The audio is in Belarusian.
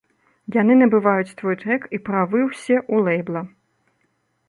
Яны набываюць твой трэк і правы ўсе ў лэйбла.